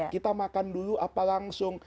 kita makan dulu apa langsung